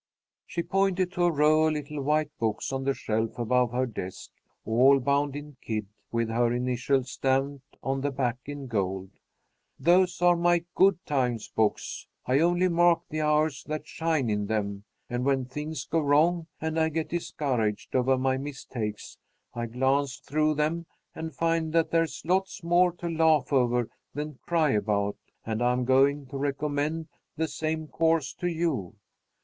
She pointed to a row of little white books on the shelf above her desk, all bound in kid, with her initials stamped on the back in gold. "Those are my good times books. 'I only mark the hours that shine' in them, and when things go wrong and I get discouraged over my mistakes, I glance through them and find that there's lots more to laugh over than cry about, and I'm going to recommend the same course to you.